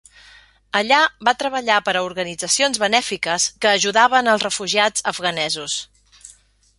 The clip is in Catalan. Allà va treballar per a organitzacions benèfiques que ajudaven els refugiats afganesos.